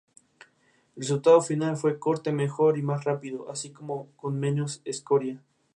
El bombardeo de artillería egipcia continuó en el kibutz durante los dos días siguientes.